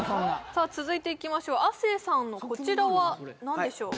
さあ続いていきましょう亜生さんのこちらは何でしょう？